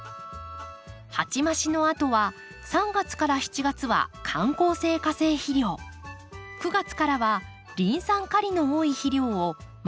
鉢増しのあとは３月から７月は緩効性化成肥料９月からはリン酸カリの多い肥料を毎月規定量やります。